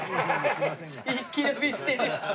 一気飲みしてる。